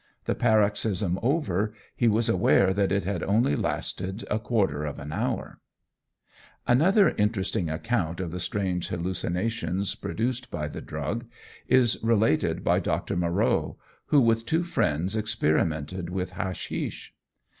The paroxysm over, he was aware that it had only lasted a quarter of an hour. Another interesting account of the strange hallucinations produced by the drug is related by Dr. Moreau, who with two friends experimented with hashish.